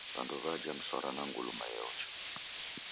W'andu w'ajha mswara na nguluma yeocha.